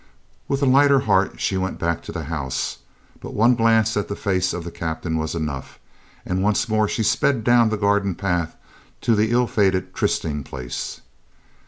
With a lighter heart she went back to the house, but one glance at the face of the Captain was enough, and once more she sped down the garden path to the ill fated trysting place.